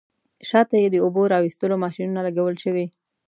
شاته یې د اوبو را ایستلو ماشینونه لګول شوي.